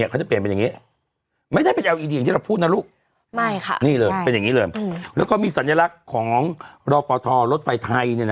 รถไฟไทยเนี่ยนะครับ